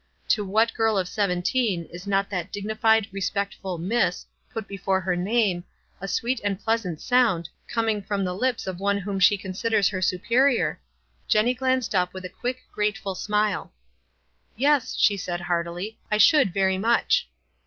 To what girl of sev~ 3nteen is not that dignified, respectful "Miss,"' put before her name, a sweet and pleasant sound, coming from the lips of one whom shs WISE AND OTHERWISE. 117 considers her superior ? Jenny glanced up with a quick, grateful smile. "Yes," she said, heartily. "I should very much."